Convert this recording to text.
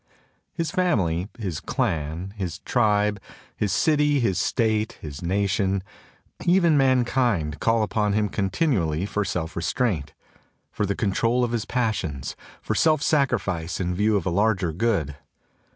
His family, his clan, his tribe, his city, his state, his nation, even mankind, call upon him continually for self restraint, for the control of his passions, for self sacrifice in view of a larger good.